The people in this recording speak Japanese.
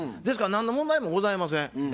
ですから何の問題もございません。